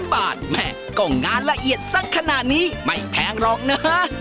แม่ก็งานละเอียดสักขนาดนี้ไม่แพงหรอกนะฮะ